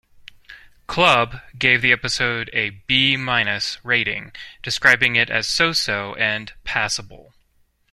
Club" gave the episode a 'B-' rating, describing it as "so-so" and "passable".